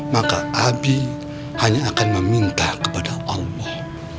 maka abi hanya akan meminta kepada allah